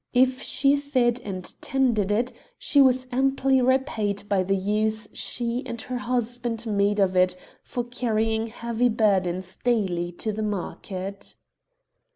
If she fed and tended it, she was amply repaid by the use she and her husband made of it for carrying heavy burdens daily to market.